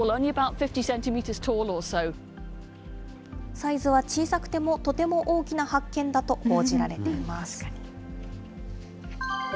サイズは小さくても、とても大きな発見だと報じられています。